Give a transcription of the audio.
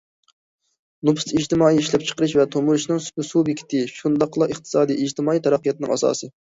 نوپۇس ئىجتىمائىي ئىشلەپچىقىرىش ۋە تۇرمۇشنىڭ سۇبيېكتى، شۇنداقلا ئىقتىسادىي، ئىجتىمائىي تەرەققىياتنىڭ ئاساسى.